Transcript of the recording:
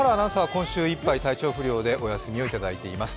今週いっぱい体調不良でお休みをいただいています。